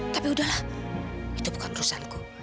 tapi udahlah itu bukan urusanku